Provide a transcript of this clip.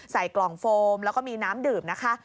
ใส่กล่องโฟมแล้วก็มีน้ำดื่มนะคะ